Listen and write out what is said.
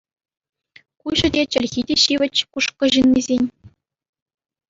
Куҫӗ те, чӗлхи те ҫивӗч Кушкӑ ҫыннисен.